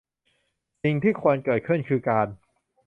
สิ่งที่ควรเกิดขึ้นคือการ